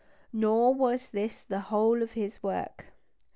Nor was this the whole of his work.